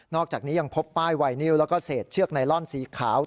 อกจากนี้ยังพบป้ายไวนิวแล้วก็เศษเชือกไนลอนสีขาว